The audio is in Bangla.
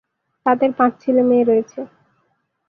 তাদের পাঁচ ছেলে মেয়ে রয়েছে।